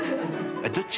どっち？